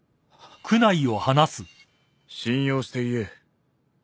信用して言え。